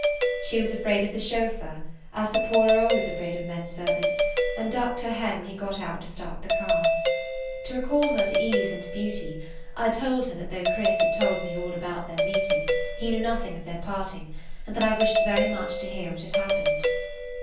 She was afraid of the chauffeur, as the poor are always afraid of men servants, and ducked her head when he got out to start the car. To recall her to ease and beauty I told her that though Chris had [Page 96] told me all about their meeting, he knew nothing of their parting, and that I wished very much to hear what had happened.